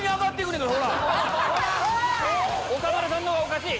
岡村さんのがおかしい！